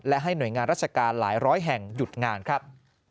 และให้หน่วยงานราชการหลายร้อยแห่งหยุดงานครับ